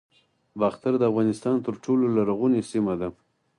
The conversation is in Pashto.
باختر د افغانستان تر ټولو لرغونې سیمه ده